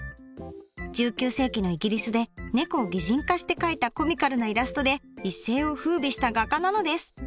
１９世紀のイギリスでねこを擬人化して描いたコミカルなイラストで一世をふうびした画家なのです。